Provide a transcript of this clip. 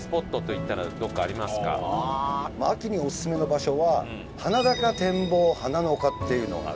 秋にオススメの場所は鼻高展望花の丘っていうのが。